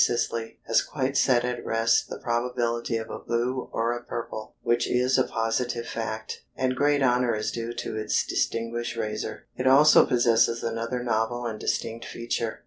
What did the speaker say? Sisley, has quite set at rest the probability of a blue or a purple, which is a positive fact, and great honor is due to its distinguished raiser. It also possesses another novel and distinct feature.